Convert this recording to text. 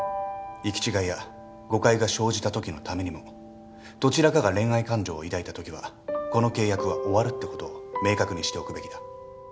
行き違いや誤解が生じた時のためにもどちらかが恋愛感情を抱いた時はこの契約は終わるって事を明確にしておくべきだ。